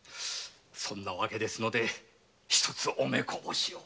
そんな訳ですので一つお目こぼしを。